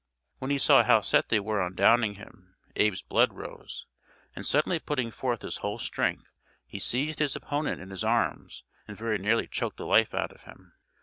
When he saw how set they were on downing him Abe's blood rose, and suddenly putting forth his whole strength he seized his opponent in his arms and very nearly choked the life out of him.